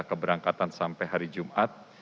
keberangkatan sampai hari jumat